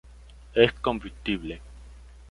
Es combustible.